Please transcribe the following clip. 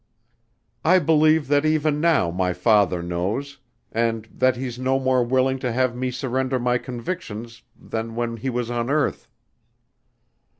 "I believe that even now my father knows and that he's no more willing to have me surrender my convictions than when he was on earth."